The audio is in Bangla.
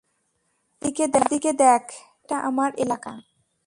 চারদিকে দেখ, এটা আমার এলাকা।